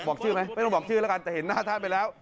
บอกชื่อไหมไม่ต้องบอกชื่อแล้วกันแต่เห็นหน้าท่านไปแล้ว